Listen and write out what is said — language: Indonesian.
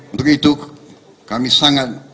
untuk itu kami sangat